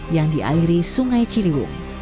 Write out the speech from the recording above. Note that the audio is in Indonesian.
yang dialiri sungai ciliwung